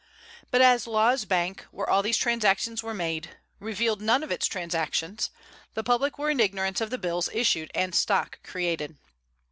But as Law's bank, where all these transactions were made, revealed none of its transactions, the public were in ignorance of the bills issued and stock created.